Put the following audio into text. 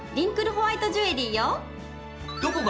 ホワイトジュエリーよ。